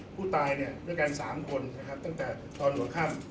ผู้ตายเนี่ยคือเกิน๓คนนะครับตั้งแต่ตอนหัวข้าม